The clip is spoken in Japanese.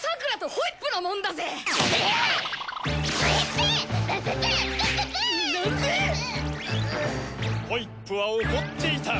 ホイップは怒っていた。